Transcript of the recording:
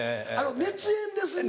「熱演ですね」。